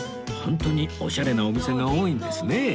本当にオシャレなお店が多いんですね